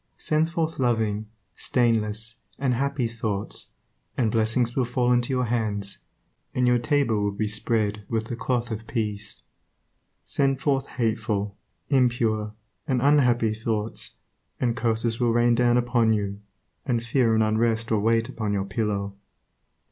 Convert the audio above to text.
Send forth loving, stainless, and happy thoughts, and blessings will fall into your hands, and your table will be spread with the cloth of peace. Send forth hateful, impure, and unhappy thoughts, and curses will rain down upon you, and fear and unrest will wait upon your pillow.